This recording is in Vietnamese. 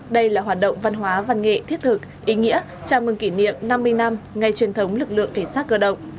đây là hoạt động văn hóa văn nghệ thiết thực ý nghĩa chào mừng kỷ niệm năm mươi năm ngày truyền thống lực lượng cảnh sát cơ động